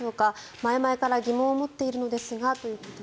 前々から疑問を持っているのですがということです。